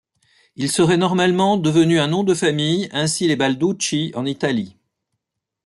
Il serait normalement devenu un nom de famille, ainsi les Balducci en Italie.